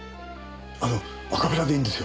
あのアカペラでいいんですよ。